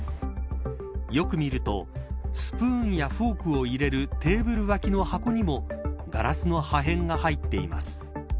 よく見るとスプーンやフォークを入れるテーブル脇の箱にもガラスの破片が入っています。